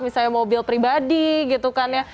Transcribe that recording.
misalnya mobil pribadi gitu kan ya